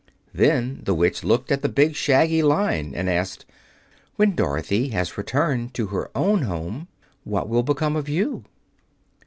Then the Witch looked at the big, shaggy Lion and asked, "When Dorothy has returned to her own home, what will become of you?"